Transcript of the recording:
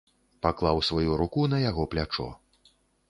Паклаў сваю руку на яго плячо.